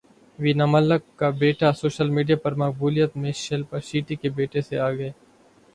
وینا ملک کا بیٹا social media پر مقبولیت میں شلپا شیٹھی کے بیٹے سے آگے